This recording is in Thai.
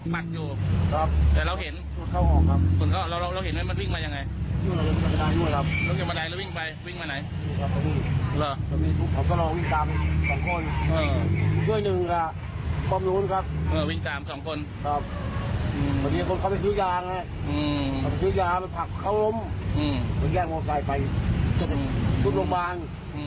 พวกเขาวิ่งตามสองคน